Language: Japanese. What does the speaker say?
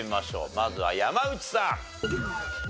まずは山内さん。